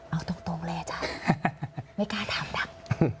เอาตรงแหล่ะจ๊ะไม่กล้าถามดัง